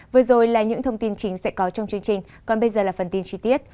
vừa rồi là những thông tin chính sẽ có trong chương trình còn bây giờ là phần tin chi tiết